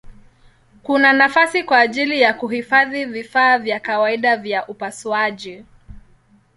Kuna nafasi kwa ajili ya kuhifadhi vifaa vya kawaida vya upasuaji.